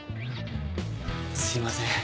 すいません。